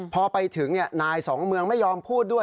พอไปถึงนายสองเมืองไม่ยอมพูดด้วย